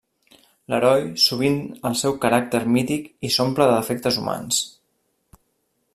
L'heroi sovint el seu caràcter mític i s'omple de defectes humans.